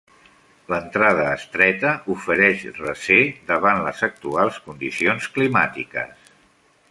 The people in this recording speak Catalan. L'entrada estreta ofereix recer davant les actuals condicions climàtiques.